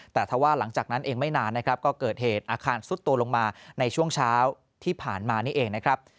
แต่ถ้าว่าหลังจากนั้นเองไม่นานนะครับก็เกิดเหตุอาคารซุดตัวลงมาในช่วงเช้าที่ผ่านมานี่เองนะครับ